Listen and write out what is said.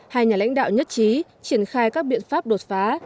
hai nhà lãnh đạo nhất trí triển khai các biện pháp đột phá